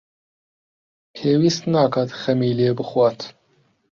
پێویست ناکات خەمی لێ بخوات.